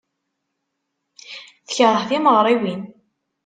Tekṛeh timeɣriwin.